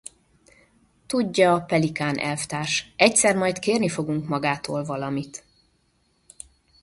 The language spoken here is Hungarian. Tudja, Pelikán elvtárs, egyszer majd kérni fogunk magától valamit.